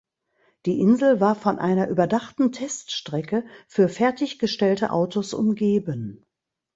Die Insel war von einer überdachten Teststrecke für fertiggestellte Autos umgeben.